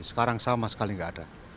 sekarang sama sekali nggak ada